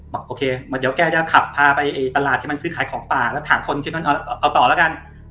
บอกโอเคเดี๋ยวแกจะขับพาไปตลาดที่มันซื้อขายของป่าแล้วถามคนชุดนั้นเอาต่อแล้วกัน